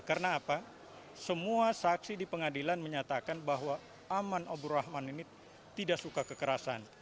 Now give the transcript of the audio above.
karena apa semua saksi di pengadilan menyatakan bahwa aman abdurrahman ini tidak suka kekerasan